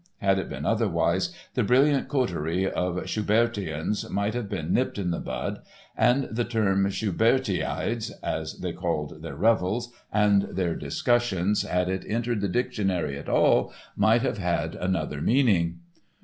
Had it been otherwise the brilliant coterie of "Schubertians" might have been nipped in the bud and the term "Schubertiads," as they called their revels and their discussions had it entered the dictionary at all, might have had another meaning.